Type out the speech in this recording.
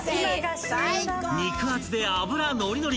［肉厚で脂ノリノリ］